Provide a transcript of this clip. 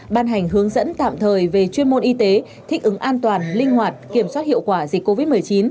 ban hành hướng dẫn tạm thời về chuyên môn y tế thích ứng an toàn linh hoạt kiểm soát hiệu quả dịch covid một mươi chín